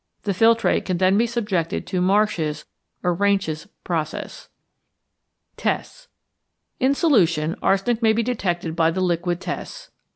The filtrate can then be subjected to Marsh's or Reinsch's process. Tests. In solution, arsenic may be detected by the liquid tests.